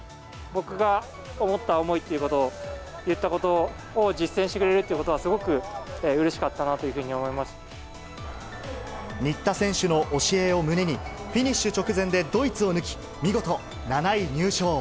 僕が思った思いということを、言ったことを実践してくれるっていうことは、すごくうれしかった新田選手の教えを胸に、フィニッシュ直前でドイツを抜き、見事７位入賞。